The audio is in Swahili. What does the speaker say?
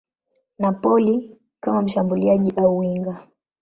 Napoli kama mshambuliaji au winga.